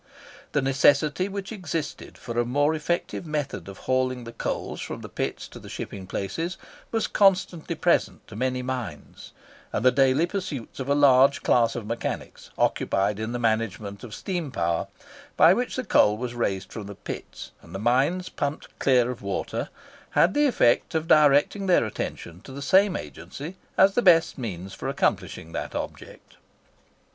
The necessity which existed for a more effective method of hauling the coals from the pits to the shipping places was constantly present to many minds; and the daily pursuits of a large class of mechanics occupied in the management of steam power, by which the coal was raised from the pits, and the mines were pumped clear of water, had the effect of directing their attention to the same agency as the best means for accomplishing that object.